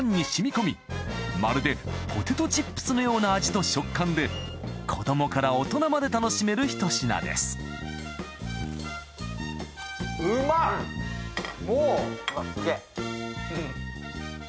まるでポテトチップスのような味と食感で子どもから大人まで楽しめるひと品ですうまっ！！